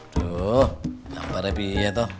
duh gampang lebih ya toh